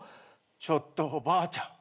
ちょっとおばあちゃん